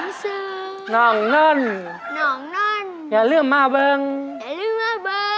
น้องเซอร์น้องนั้นน้องนั้นอย่าลืมมาเบิงอย่าลืมมาเบิง